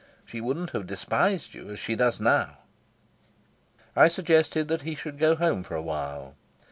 She wouldn't have despised you as she does now." I suggested that he should go home for a while.